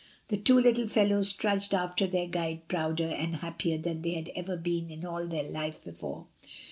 The two little fellows trudged after their guide proudey aiid hap pier than they" had ever been in all. their life be fore.